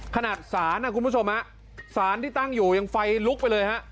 ขนาดศาลคุณผู้ชมศาลที่ตั้งอยู่ยังไฟลุกไปเลย